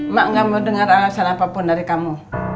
mak gak mau dengar alasan apapun dari kamu